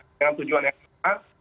dengan tujuan yang sama